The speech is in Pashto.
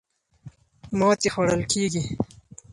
ماتې خوړل کېږي.